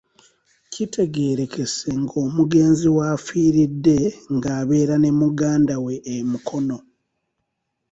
Kitegeerekese ng'omugenzi w'afiiridde ng'abeera ne muganda we e Mukono.